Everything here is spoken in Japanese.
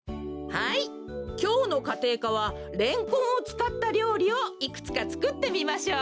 はいきょうのかていかはレンコンをつかったりょうりをいくつかつくってみましょう。